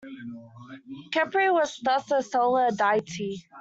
Khepri was thus a solar deity.